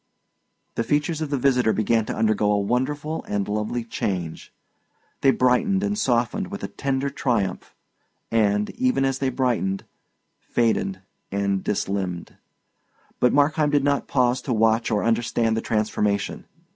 The features of the visitor began to undergo a wonderful and lovely change: they brightened and softened with a tender triumph, and, even as they brightened, faded and dislimned. But Markheim did not pause to watch or understand the transformation.